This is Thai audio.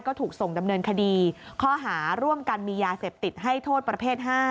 ก็ถูกส่งดำเนินคดีข้อหาร่วมกันมียาเสพติดให้โทษประเภท๕